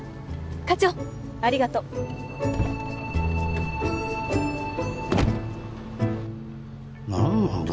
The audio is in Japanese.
課長ありがとう。なんなんだ？